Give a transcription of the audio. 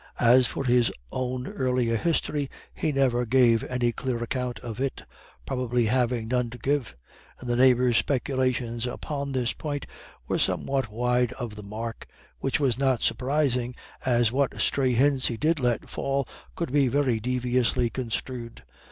As for his own earlier history, he never gave any clear account of it, probably having none to give, and the neighbours' speculations upon this point were somewhat wide of the mark, which was not surprising, as what stray hints he did let fall could be very deviously construed.